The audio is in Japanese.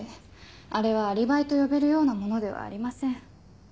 あれはアリバイと呼べるようなものではありません。